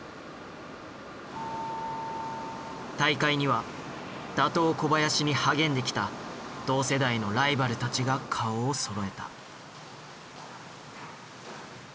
大会には打倒・小林に励んできた同世代のライバルたちが顔をそろえた。